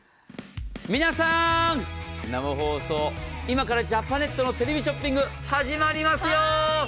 今からジャパネットのテレビショッピング始まりますよ。